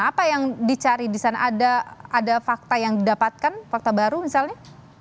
apa yang dicari di sana ada fakta yang didapatkan fakta baru misalnya